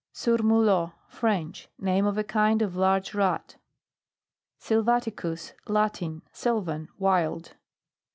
SURMULOT. French. Name of a kind of large rat. SYLVATICUS. Latin. Sylvan. Wild.